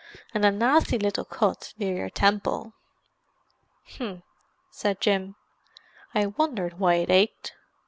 "And a nasty little cut near your temple." "H'm!" said Jim. "I wondered why it ached!